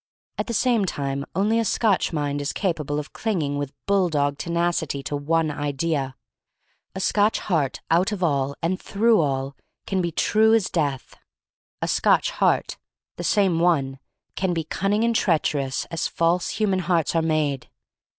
At the same time only a Scotch mind is capable of clinging with bull dog tenacity to one idea. A Scotch heart out of all, and through all, can be true as death. A Scotch heart — the same one — can be cunning and treacherous as false human hearts are made.